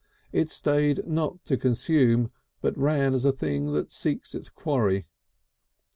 It stayed not to consume, but ran as a thing that seeks a quarry.